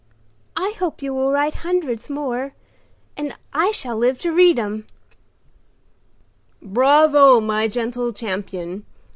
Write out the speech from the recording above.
I hope you will write hundreds more, and I shall live to read 'em." "Bravo, my gentle champion!